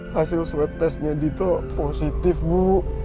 hasil swab testnya dito positif bu